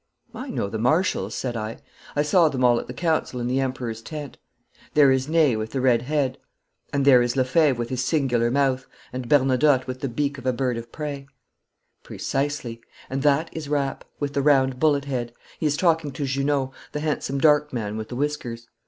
'I know the Marshals,' said I; 'I saw them all at the council in the Emperor's tent. There is Ney with the red head. And there is Lefebvre with his singular mouth, and Bernadotte with the beak of a bird of prey.' 'Precisely. And that is Rapp, with the round, bullet head. He is talking to Junot, the handsome dark man with the whiskers.